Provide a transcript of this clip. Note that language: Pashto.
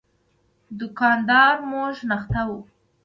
دوکان دار مو شناخته وخت.